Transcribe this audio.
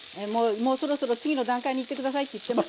「もうそろそろ次の段階にいって下さい」って言ってます。